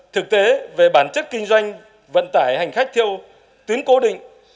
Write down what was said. thực tế về bản chất kinh doanh vận tải hành khách theo tuyến cố định